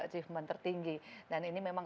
achievement tertinggi dan ini memang